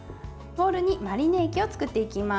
ボウルにマリネ液を作っていきます。